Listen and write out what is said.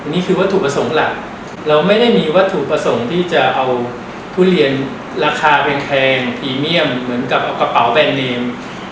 นี่คือวัตถุประสงค์หลักเราไม่ได้มีวัตถุประสงค์ที่จะเอาทุเรียนราคาแพงพรีเมียมเหมือนกับกระเป๋าแบรนดเนม